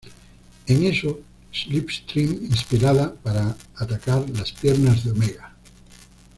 En eso Slipstream inspirada para atacar las piernas de Omega.